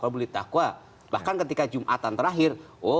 bahkan ketika jumatan terakhir